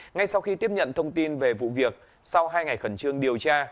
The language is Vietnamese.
ngay sau khi tiếp nhận thông tin về vụ việc sau hai ngày khẩn trương điều tra